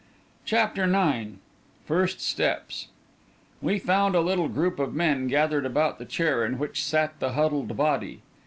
CHAPTER IX FIRST STEPS We found a little group of men gathered about the chair in which sat the huddled body.